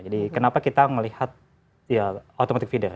jadi kenapa kita melihat ya automatic feeder